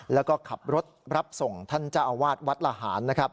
แล้วก็ขับรถรับส่งท่านเจ้าอาวาสวัดละหารนะครับ